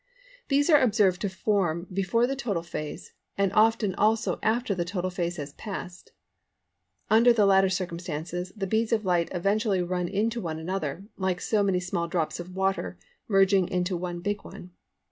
These are observed to form before the total phase, and often also after the total phase has passed. Under the latter circumstances, the beads of light eventually run one into another, like so many small drops of water merging into one big one.